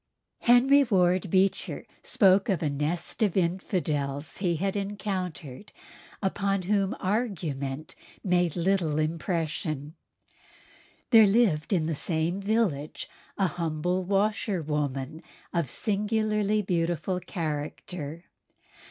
Henry Ward Beecher spoke of a nest of infidels he had encountered upon whom argument made little impression. There lived in the same village a humble washerwoman of singularly beautiful character.